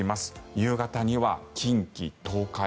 夕方には近畿、東海。